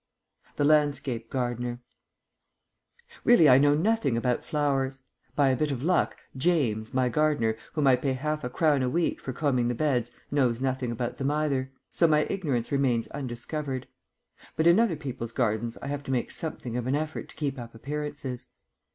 THE LANDSCAPE GARDENER Really I know nothing about flowers. By a bit of luck, James, my gardener, whom I pay half a crown a week for combing the beds, knows nothing about them either; so my ignorance remains undiscovered. But in other people's gardens I have to make something of an effort to keep up appearances.